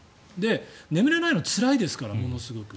眠れないのはつらいですからものすごく。